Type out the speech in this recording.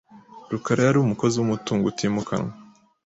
rukarayari umukozi wumutungo utimukanwa.